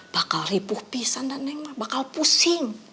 bakal ribuh pisah neng bakal pusing